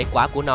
và hệ quả của nó